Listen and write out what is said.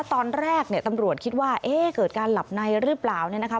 ตอนแรกเนี่ยตำรวจคิดว่าเอ๊ะเกิดการหลับในหรือเปล่าเนี่ยนะคะ